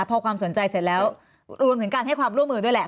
พอความสนใจเสร็จแล้วรวมถึงการให้ความร่วมมือด้วยแหละ